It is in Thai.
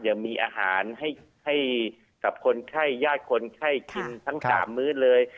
ยังมีอาหารให้กับคนไข้ญาติคนไข้กินทั้ง๓มื้อเลย